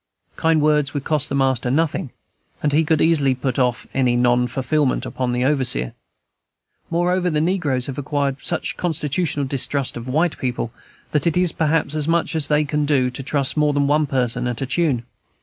Kind words would cost the master nothing, and he could easily put off any non fulfilment upon the overseer. Moreover, the negroes have acquired such constitutional distrust of white people, that it is perhaps as much as they can do to trust more than one person at a tune.